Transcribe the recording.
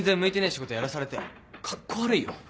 仕事やらされてカッコ悪いよ。